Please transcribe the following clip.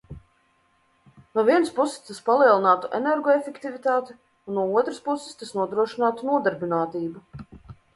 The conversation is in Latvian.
No vienas puses tas palielinātu energoefektivitāti un no otras puses tas nodrošinātu nodarbinātību.